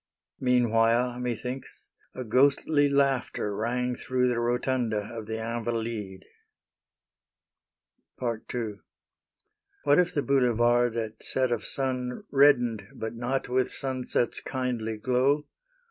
Meanwhile, methinks, a ghostly laughter rang Through the rotunda of the Invalides. II What if the boulevards, at set of sun, Reddened, but not with sunset's kindly glow?